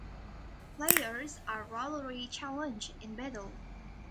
Players are rarely challenged in battle.